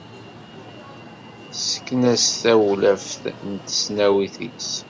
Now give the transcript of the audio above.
Tessken-as tawlaft n tesnawit-is.